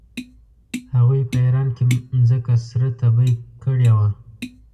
هغوی په ایران کې مځکه سره تبې کړې وه.